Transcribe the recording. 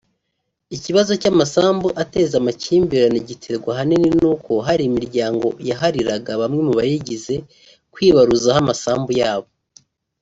Iki kibazo cy’amasambu ateza amakimbirane giterwa ahanini nuko hari imiryango yahariraga bamwe mu bayigize kwibaruzaho amasambu yabo